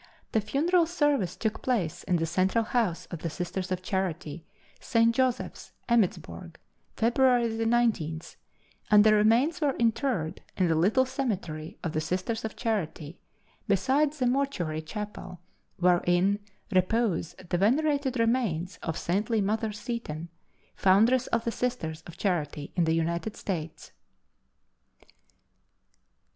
The funeral service took place in the Central House of the Sisters of Charity, St. Joseph's, Emmittsburg, February 19, and the remains were interred in the little cemetery of the Sisters of Charity, besides the mortuary chapel, wherein repose the venerated remains of Saintly Mother Seton, foundress of the Sisters of Charity in the United States.